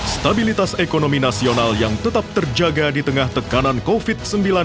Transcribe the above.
stabilitas ekonomi nasional yang tetap terjaga di tengah tekanan covid sembilan belas